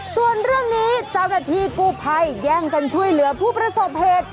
ส่วนเรื่องนี้เจ้าหน้าที่กู้ภัยแย่งกันช่วยเหลือผู้ประสบเหตุ